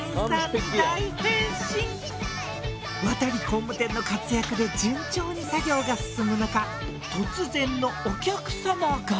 亘工務店の活躍で順調に作業が進む中突然のお客様が。